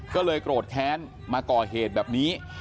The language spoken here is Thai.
ก็เลยโกรธแค้นมาก่อเหตุแบบนี้